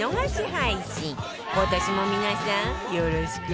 今年も皆さんよろしくね！